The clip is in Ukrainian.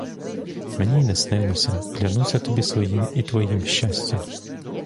Мені й не снилося, клянуся тобі своїм і твоїм щастям.